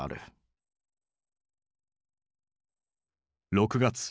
６月。